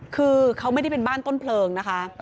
คือเขาไม่ได้เป็นบ้านต้นเพลิงนะคะ